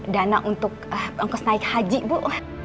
dana untuk ongkos naik haji bu